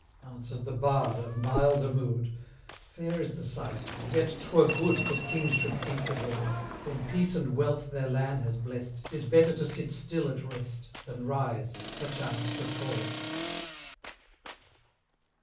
Answer'd the Bard, of milder mood: 'Fair is the sight, and yet 'twere good, 595 That Kings would think withal, When peace and wealth their land has bless'd, 'Tis better to sit still at rest, Than rise, perchance to fall.'